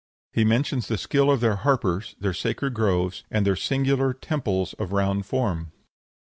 He mentions the skill of their harpers, their sacred groves, and their singular temples of round form.